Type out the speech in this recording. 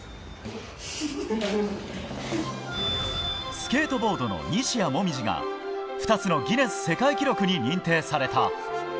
スケートボードの西矢椛が２つのギネス世界記録に認定された。